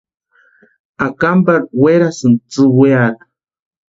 Akamparhu werasïnti tsʼiwiata.